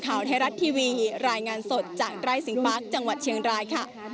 ข่าวไทยรัฐทีวีรายงานสดจากไร่สิงปาร์คจังหวัดเชียงรายค่ะ